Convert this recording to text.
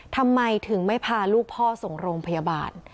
ทำไมถึงไม่พาลูกพ่อส่งโรงพยาบาล